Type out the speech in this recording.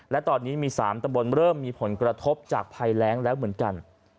และตอนนี้มี๓ตำบลเริ่มมีผลกระทบจากภัยแรงแล้วเหมือนกัน